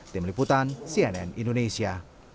tim liputan cnn indonesia